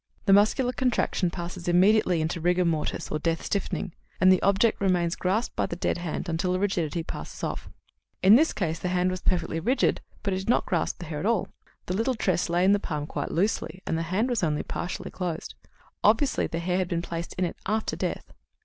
The muscular contraction passes immediately into rigor mortis, or death stiffening, and the object remains grasped by the dead hand until the rigidity passes off. In this case the hand was perfectly rigid, but it did not grasp the hair at all. The little tress lay in the palm quite loosely and the hand was only partially closed. Obviously the hair had been placed in it after death.